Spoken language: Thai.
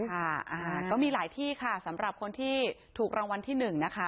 อ่าก็มีหลายที่ค่ะสำหรับคนที่ถูกรางวัลที่หนึ่งนะคะ